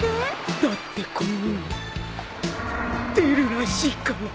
だってこの海出るらしいから。